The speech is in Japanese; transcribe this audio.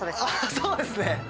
そうですね。